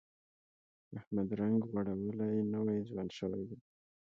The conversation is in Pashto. احمد رنګ غوړولی، نوی ځوان شوی دی.